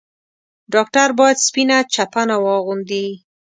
ډاکټر بايد سپينه چپنه واغوندي.